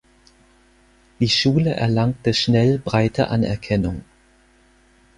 Die Schule erlangte schnell breite Anerkennung.